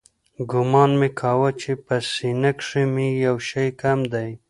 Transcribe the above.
ګومان مې کاوه چې په سينه کښې مې يو شى کم دى.